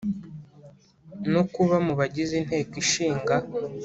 No kuba mu bagize inteko ishinga